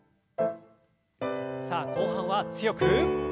さあ後半は強く。